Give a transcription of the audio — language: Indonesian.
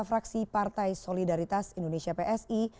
fraksi partai solidaritas indonesia psi